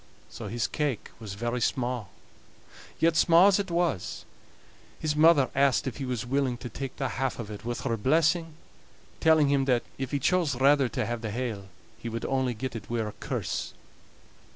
So his cake was very sma'; yet sma' as it was, his mother asked if he was willing to take the half of it with her blessing, telling him that, if he chose rather to have the hale, he would only get it wi' her curse.